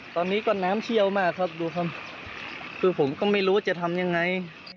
ตอนนี้ก็น้ำเชี่ยวมากครับดูครับคือผมก็ไม่รู้จะทำยังไง